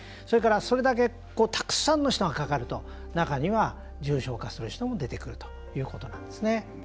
それから、それだけたくさんの人がかかると中には重症化する人も出てくるということなんですね。